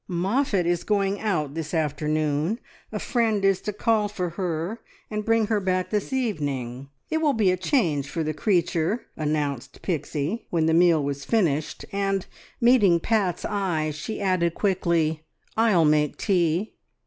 "Moffatt is going out this afternoon. A friend is to call for her and bring her back this evening. It will be a change for the creature," announced Pixie when the meal was finished, and, meeting Pat's eye, she added quickly, "I'll make tea."